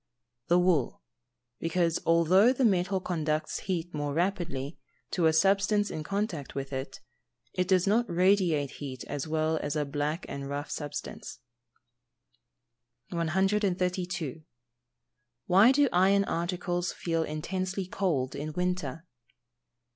_ The wool, because, although the metal conducts heat more rapidly, to a substance in contact with it, it does not radiate heat as well as a black and rough substance. 132. _Why do iron articles feel intensely cold in winter?